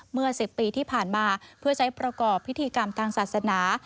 เมื่อ๑๐ปีที่ผ่านมาเพื่อใช้ประกอบพิธีกรรมทางศาสนา